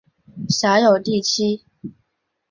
辖有第七。